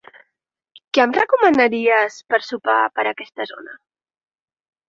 Què em recomanaries per sopar per aquesta zona?